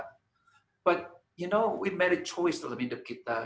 tapi anda tahu kami membuat pilihan dalam hidup kita